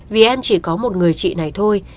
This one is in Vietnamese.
vì em chỉ có một người chị này thôi